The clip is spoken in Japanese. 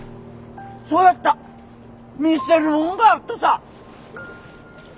そうやった見せるもんがあっとさ。